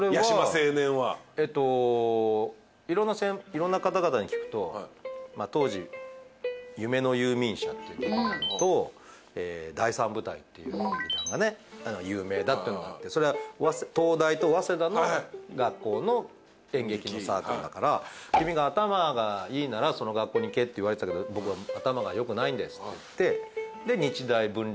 いろんな方々に聞くと当時夢の遊眠社っていう劇団と第三舞台っていう劇団がね有名だっていうのがあってそれは東大と早稲田の学校の演劇のサークルだから君が頭がいいならその学校に行けって言われてたけど僕は頭が良くないんですって言って。